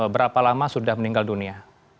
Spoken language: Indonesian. berapa lama sudah meninggal dunia